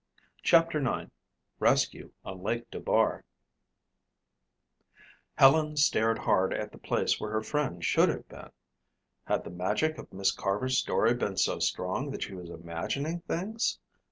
CHAPTER IX Rescue on Lake Dubar Helen stared hard at the place where her friend should have been. Had the magic of Miss Carver's story been so strong that she was imagining things?